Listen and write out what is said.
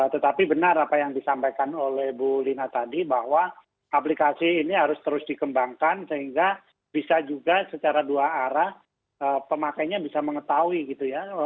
tetapi benar apa yang disampaikan oleh bu lina tadi bahwa aplikasi ini harus terus dikembangkan sehingga bisa juga secara dua arah pemakainya bisa mengetahui gitu ya